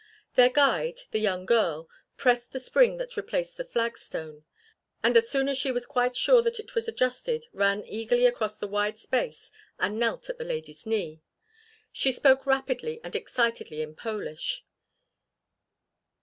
Their guide, the young girl, pressed the spring that replaced the flagstone, and as soon as she was sure that it was adjusted, ran eagerly across the wide space and knelt at the lady's knee. She spoke rapidly and excitedly in Polish.